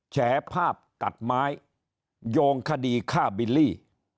แฉภาพตัดไม้โยงคดีฆ่าบิลลี่